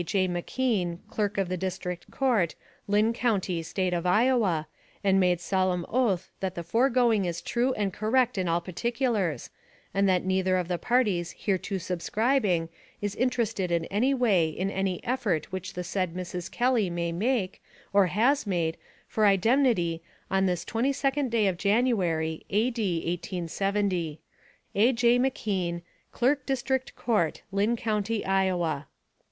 J. McKean, Clerk of the District Court, Linn County, State of Iowa, and made solemn oath that the foregoing is true and cor rect in all particulars, and that neither of the parties hereto subscribing is interested in any way in any ef fort which the said Mrs. Kelly may make, or has made, for indemnity, on this 22d day of January, A. D., 1870. [SEAL.] A. J. McKEAN, Clerk District Court, Linn County, Iowa.